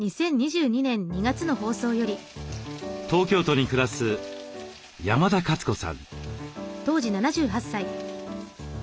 東京都に暮らす山田勝子さん。